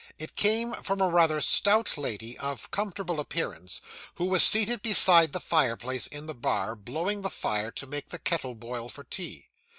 It came from a rather stout lady of comfortable appearance, who was seated beside the fireplace in the bar, blowing the fire to make the kettle boil for tea.